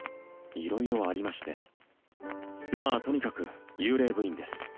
色々ありましてまあとにかく幽霊部員です